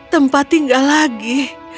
tempat tinggal lagi